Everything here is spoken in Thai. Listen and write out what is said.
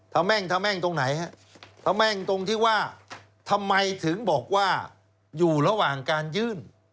แม่งทะแม่งตรงไหนฮะทะแม่งตรงที่ว่าทำไมถึงบอกว่าอยู่ระหว่างการยื่น